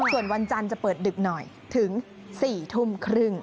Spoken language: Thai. ส่วนวันจันทร์จะเปิดดึกหน่อยถึง๔ทุ่มครึ่ง